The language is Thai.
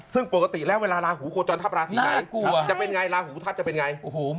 ซึ่งปกติแล้วเวลาลาหูโคจรทัพราศีไหนจะเป็นไงลาหูทัพจะเป็นไง